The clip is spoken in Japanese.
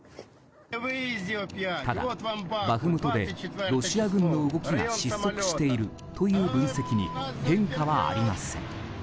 ただ、バフムトでロシア軍の動きが失速しているという分析に変化はありません。